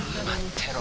てろ